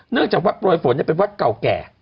เนื่องจากวัดโปรยฝนเป็นวัดก่าวแก่